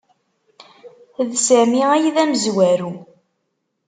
D Sami ay d amezwaru.